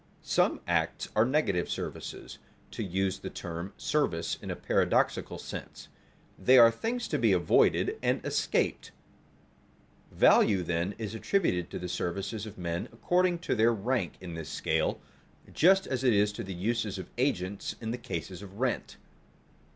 Some acts are negative services, to use the term service in a paradoxical sense; they are things to be avoided and escaped. Value then is attributed to the services of men according to their rank in this scale, just as it is to the uses of agents in the case of rent.